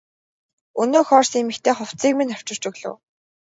Өнөөх орос эмэгтэй хувцсыг минь авчирч өглөө.